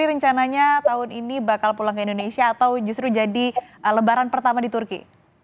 jadi rencananya tahun ini bakal pulang ke indonesia atau justru jadi lebaran pertama di turki